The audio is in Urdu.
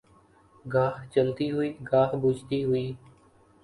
گاہ جلتی ہوئی گاہ بجھتی ہوئی